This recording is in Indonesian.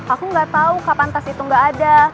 aku gak tau kapan tas itu gak ada